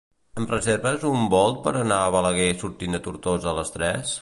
Em reserves un Bolt per anar a Balaguer sortint de Tortosa a les tres?